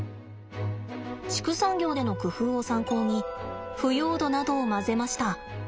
畜産業での工夫を参考に腐葉土などを混ぜました。